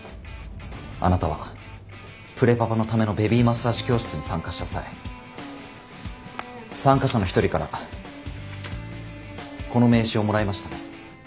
あなたはプレパパのためのベビーマッサージ教室に参加した際参加者の一人からこの名刺をもらいましたね。